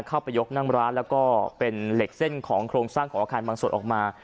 เข้าไปยกนั่งร้านแล้วก็เป็นเหล็กเส้นของโครงสร้างของอาคารบางส่วนออกมา